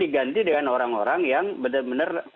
diganti dengan orang orang yang benar benar